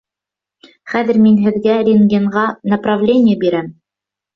Хәҙер мин һеҙгә рентгенға направление бирәм.